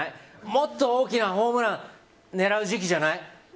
もっと大きなホームラン狙う時期じゃない？